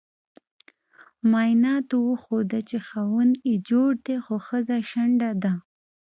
معایناتو وخوده چې خاوند یي جوړ دې خو خځه شنډه ده